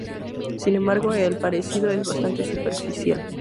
Sin embargo el parecido es bastante superficial.